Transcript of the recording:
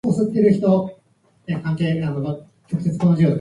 月の満ち欠けって、だいたい何日周期で繰り返すか覚えてる？